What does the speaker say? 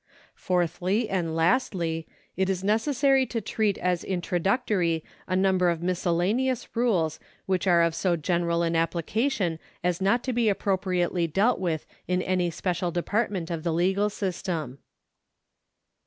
Fourthly and lastly, it is necessary to treat as introductory a number of miscellaneous rules which are of so general an application as not to be appropriately dealt with in any special department of the legal system.